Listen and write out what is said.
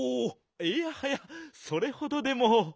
いやはやそれほどでも。